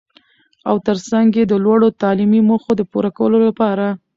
او تر څنګ يې د لوړو تعليمي موخو د پوره کولو لپاره.